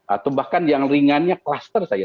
atau bahkan yang ringannya kluster saja